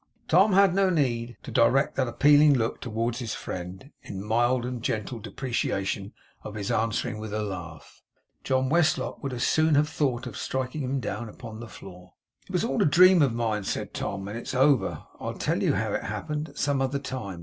Tom had no need to direct that appealing look towards his friend, in mild and gentle deprecation of his answering with a laugh. John Westlock would as soon have thought of striking him down upon the floor. 'It was all a dream of mine,' said Tom, 'and it is over. I'll tell you how it happened, at some other time.